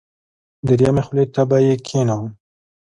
دریمې خولې ته به یې کېنوم.